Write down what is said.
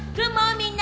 みんな！